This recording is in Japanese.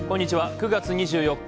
９月２４日